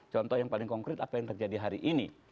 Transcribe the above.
contoh yang paling konkret apa yang terjadi hari ini